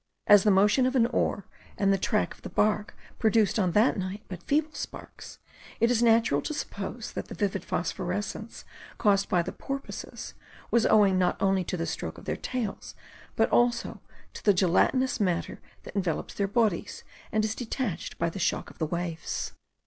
As the motion of an oar, and the track of the bark, produced on that night but feeble sparks, it is natural to suppose that the vivid phosphorescence caused by the porpoises was owing not only to the stroke of their tails, but also to the gelatinous matter that envelopes their bodies, and is detached by the shock of the waves.